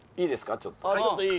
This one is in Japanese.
ちょっといい？